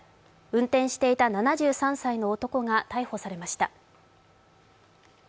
運転していた７３歳の男が逮捕されました。